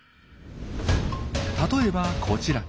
例えばこちら。